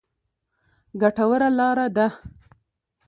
ګټوره لاره ده.